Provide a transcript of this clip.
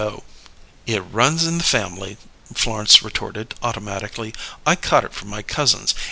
She '"_] "It runs in the family," Florence retorted, automatically. "I caught it from my cousins.